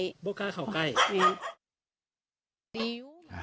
บวตกราขาวกาย